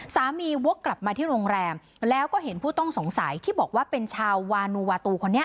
วกกลับมาที่โรงแรมแล้วก็เห็นผู้ต้องสงสัยที่บอกว่าเป็นชาววานูวาตูคนนี้